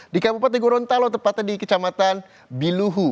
di kabupaten gorontalo tepatnya di kecamatan biluhu